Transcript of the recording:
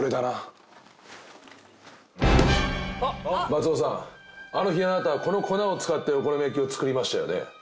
松尾さんあの日あなたはこの粉を使ってお好み焼きを作りましたよね？